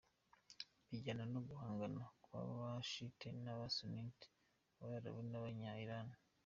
Bijyana no guhangana kw’aba Shiites n’aba Sunnis, Abarabu n’Abanya-Iran.